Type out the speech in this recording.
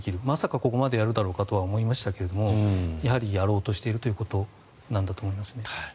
まさか、ここまでやるだろうかと思いましたがやはりやろうとしているということなんだと思います。